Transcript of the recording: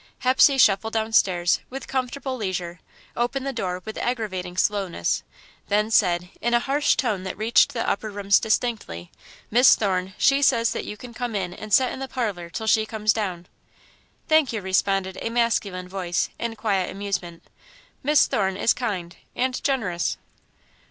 Hepsey shuffled downstairs with comfortable leisure, opened the door with aggravating slowness, then said, in a harsh tone that reached the upper rooms distinctly: "Miss Thorne, she says that you can come in and set in the parlour till she comes down." "Thank you," responded a masculine voice, in quiet amusement; "Miss Thorne is kind and generous."